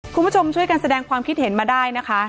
คุณผู้ชมช่วยกันแสดงความคิดเห็นมาได้นะคะ